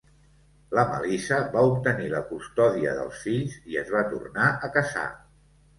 La Melissa va obtenir la custòdia dels fills i es va tornar a casar.